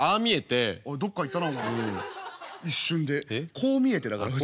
「こう見えて」だから普通。